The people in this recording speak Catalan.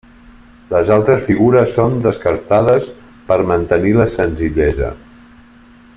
Les altres figures són descartades per mantenir la senzillesa.